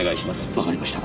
わかりました。